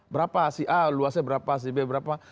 berapa si a luasnya berapa si b berapa